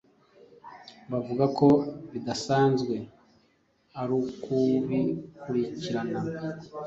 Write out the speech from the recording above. Bavuga ko bidasanzwe arukubikurikirana.